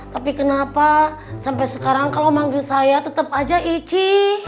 tapi kenapa sampai sekarang kalau manggil saya tetap aja ici